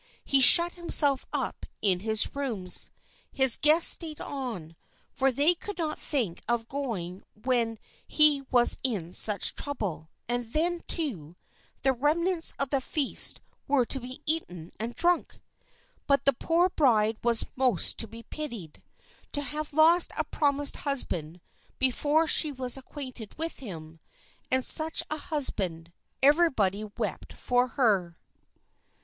He shut himself up in his rooms. His guests stayed on, for they could not think of going when he was in such trouble, and then, too, the remnants of the feast were to be eaten and drunk! But the poor bride was most to be pitied. To have lost a promised husband before she was acquainted with him! And such a husband! Everybody wept for her.